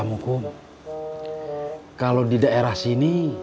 untuk saya hari ini